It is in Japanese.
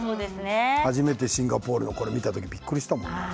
初めてシンガポールのこれを見た時びっくりしたもん。